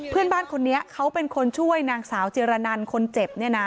เพื่อนบ้านคนนี้เขาเป็นคนช่วยนางสาวจิรนันคนเจ็บเนี่ยนะ